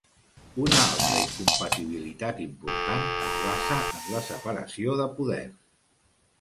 Una altra incompatibilitat important es basa en la separació de poders.